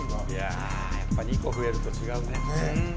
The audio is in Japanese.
やっぱ２個増えると違うね。